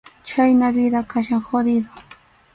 Chhayna vida kachkan jodido.